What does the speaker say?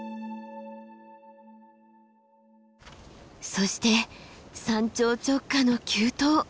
そして山頂直下の急登。